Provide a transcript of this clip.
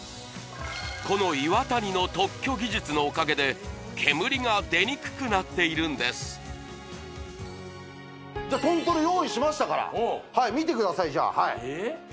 このＩｗａｔａｎｉの特許技術のおかげで煙が出にくくなっているんですじゃ豚トロ用意しましたからはい見てくださいじゃあはいえっ